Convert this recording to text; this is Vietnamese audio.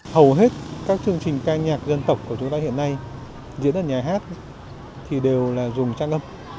hầu hết các chương trình ca nhạc dân tộc của chúng ta hiện nay diễn ở nhà hát thì đều là dùng trang âm